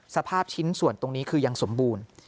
สภาพชิ้นส่วนตรงนี้คือยังสมบูรณ์